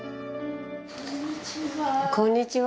こんにちは。